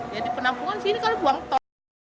jadi penampungan sini kalo buang tol